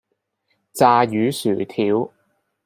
炸魚薯條